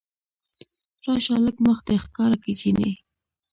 راشه لږ مخ دې راښکاره که جينۍ